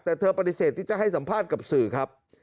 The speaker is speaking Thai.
แต่เธอปฏิเสธที่จะให้สัมภาษณ์กับสื่อครับ